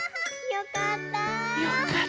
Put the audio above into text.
よかった。